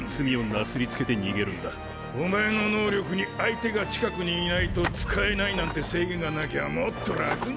お前の能力に相手が近くにいないと使えないなんて制限がなきゃもっと楽に。